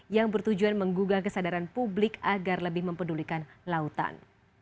yang bertujuan menggugah kesadaran publik agar lebih mempedulikan lautan